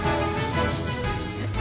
えっ？